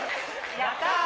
やったー。